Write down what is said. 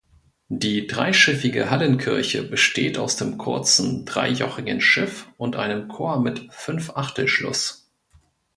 Die dreischiffige Hallenkirche besteht aus dem kurzen dreijochigen Schiff und einem Chor mit Fünfachtelschluss.